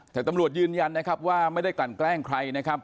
แต่ตำรวจยืนยันนะครับว่าไม่ได้กลั่นแกล้งใครนะครับ